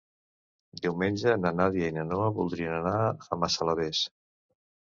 Diumenge na Nàdia i na Noa voldrien anar a Massalavés.